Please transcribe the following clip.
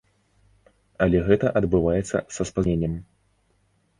Але гэта адбываецца са спазненнем.